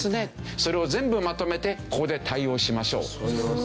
それを全部まとめてここで対応しましょうという。